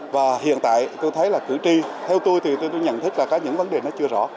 và hiện tại tôi thấy là cử tri theo tôi thì tôi nhận thức là có những vấn đề nó chưa rõ